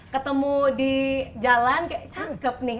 ketemu di jalan kayak cangkep nih